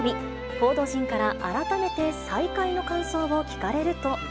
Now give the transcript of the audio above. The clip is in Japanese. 報道陣から改めて再会の感想を聞かれると。